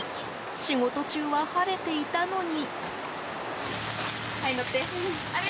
仕事中は晴れていたのに。